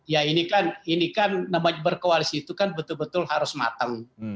ya ini kan ini kan berkoalisi itu kan betul betul harus matang